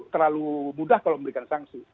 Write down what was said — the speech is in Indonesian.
terlalu mudah kalau memberikan sanksi